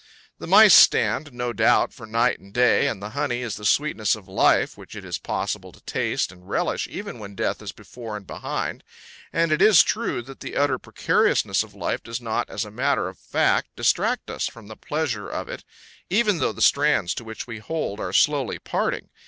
The mice stand, no doubt, for night and day, and the honey is the sweetness of life, which it is possible to taste and relish even when death is before and behind; and it is true that the utter precariousness of life does not, as a matter of fact, distract us from the pleasure of it, even though the strands to which we hold are slowly parting.